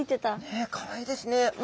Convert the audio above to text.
ねえかわいいですね。